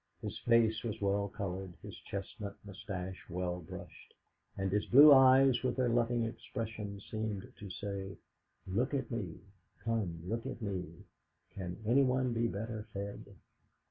His face was well coloured, his chestnut moustache well brushed, and his blue eyes with their loving expression seemed to say, "Look at me come, look at me can anyone be better fed?"